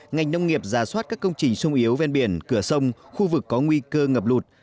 ngành nông nghiệp giả soát các công trình sung yếu ven biển cửa sông khu vực có nguy cơ ngập lụt